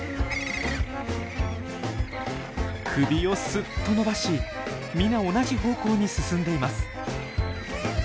首をスッと伸ばし皆同じ方向に進んでいます。